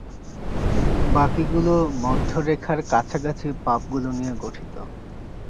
বাকিগুলো মধ্যরেখার কাছাকাছি পাবগুলো নিয়ে গঠিত।